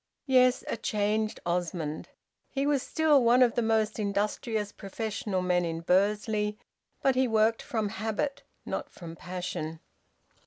Yes, a changed Osmond! He was still one of the most industrious professional men in Bursley; but he worked from habit, not from passion.